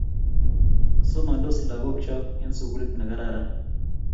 Somandos lagok chok eng' sukulit ne kararan